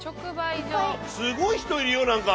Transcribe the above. すごい人いるよ何か。